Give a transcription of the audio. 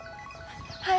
はい。